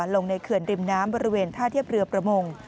ลงในเขื่อนริมน้ำบริเวณท่าเทียบเรือประมง